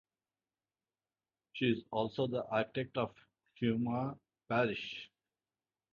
She is also the architect of Hiiumaa Parish.